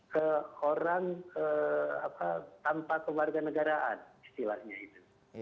ke orang tanpa kewarganegaraan istilahnya itu